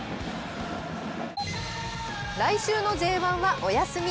来週のＪ１はお休み。